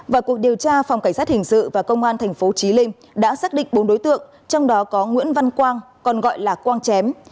vào cuộc điều tra phòng cảnh sát hình sự và công an tp chí linh đã xác định bốn đối tượng trong đó có nguyễn văn quang còn gọi là quang chém